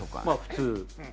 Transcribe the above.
まぁ普通。